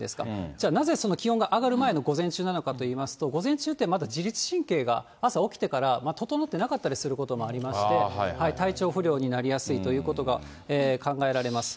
じゃあ、なぜその気温が上がる前の午前中なのかといいますと、午前中って、まだ自律神経が朝起きてから整ってなかったりすることもありまして、体調不良になりやすいということが考えられます。